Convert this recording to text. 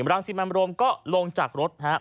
รังสินบันบรมก็ลงจากรถ